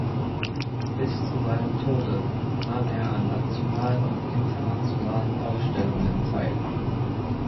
Bis zu seinem Tode nahm er an nationalen und internationalen Ausstellungen teil.